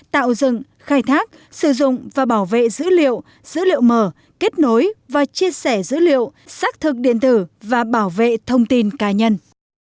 tạo dựng khai thác sử dụng và bảo vệ dữ liệu dữ liệu mở kết nối và chia sẻ dữ liệu xác thực điện tử và bảo vệ thông tin cá nhân